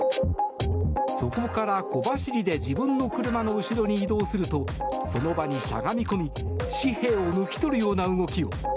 そこから小走りで自分の車の後ろに移動するとその場にしゃがみ込み紙幣を抜き取るような動きを。